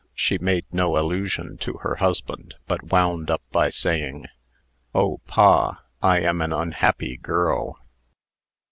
She made no allusion to her husband, but wound up by saying, "Oh, pa! I am an unhappy girl!"